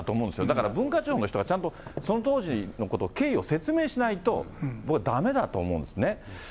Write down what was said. だから文化庁の人がちゃんとその当時のことを、経緯を説明しないと、僕はだめだと思うんですね。